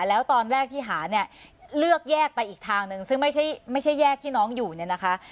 แล้วตอนแรกที่หาเนี่ยเลือกแยกไปอีกทางหนึ่งซึ่งไม่ใช่แยกที่น้องอยู่เนี่ยนะคะ